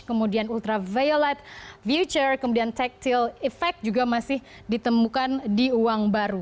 kemudian ultraviolet future kemudian tekstil effect juga masih ditemukan di uang baru